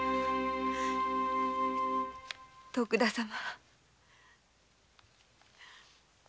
徳田様。